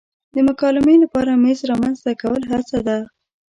د مکالمې لپاره میز رامنځته کول هڅه ده.